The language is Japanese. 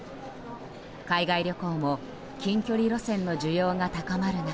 海外旅行も近距離路線の需要が高まる中